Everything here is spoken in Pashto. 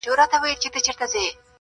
وخت د حقیقت تر ټولو وفادار شاهد دی؛